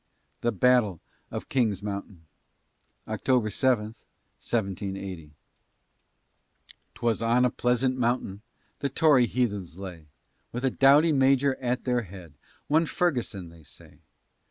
THE BATTLE OF KING'S MOUNTAIN [October 7, 1780] 'Twas on a pleasant mountain The Tory heathens lay, With a doughty major at their head, One Ferguson, they say.